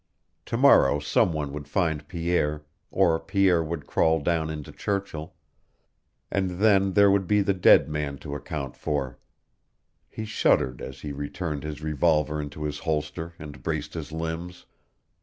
To morrow some one would find Pierre, or Pierre would crawl down into Churchill. And then there would be the dead man to account for. He shuddered as he returned his revolver into his holster and braced his limbs.